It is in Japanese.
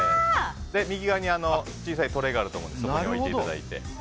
右側に小さいトレーがあるのでそこに置いていただいて。